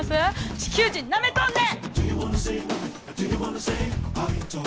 地球人なめとんねん！